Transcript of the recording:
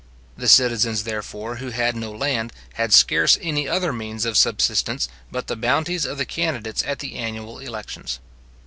The citizens, therefore, who had no land, had scarce any other means of subsistence but the bounties of the candidates at the annual elections.